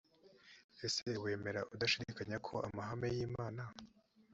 ese wemera udashidikanya ko amahame y imana